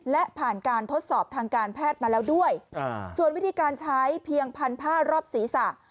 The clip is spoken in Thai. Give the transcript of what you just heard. และผ่านการทดสอบทางการแพทย์มาแล้วด้วยส่วนวิธีการใช้เพียงพันผ้ารอบศีรษะ